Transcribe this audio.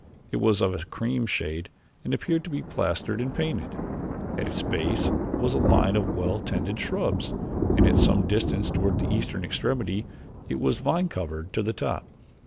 It was of a cream shade and appeared to be plastered and painted. At its base was a line of well tended shrubs and at some distance towards its eastern extremity it was vine covered to the top.